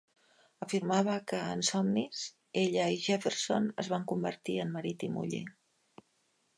Afirmava que en somnis, ella i Jefferson es van convertir en marit i muller.